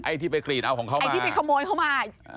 ที่ไปกรีดเอาของเขาไอ้ที่ไปขโมยเขามา